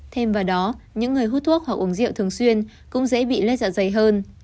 thêm vào đó những người hút thuốc hoặc uống rượu thường xuyên cũng dễ bị lết dạ dày hơn